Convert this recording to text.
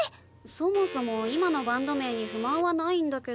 そもそも今のバンド名に不満はないんだけど。